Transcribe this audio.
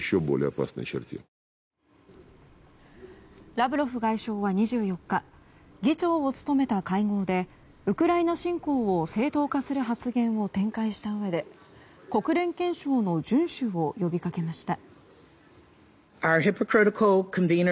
ラブロフ外相は２４日議長を務めた会合でウクライナ侵攻を正当化する発言を展開したうえで国連憲章の順守を呼びかけました。